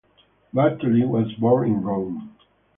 Bartoli was born in Rome.